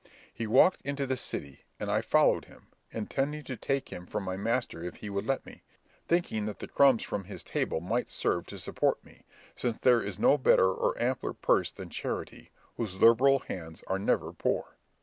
He walked into the city, and I followed him, intending to take him for my master if he would let me, thinking that the crumbs from his table might serve to support me, since there is no better or ampler purse than charity, whose liberal hands are never poor.